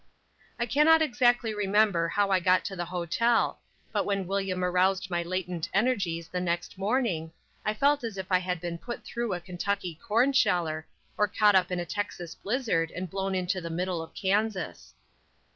I cannot exactly remember how I got to the hotel, but when William aroused my latent energies the next morning, I felt as if I had been put through a Kentucky corn sheller, or caught up in a Texas blizzard and blown into the middle of Kansas.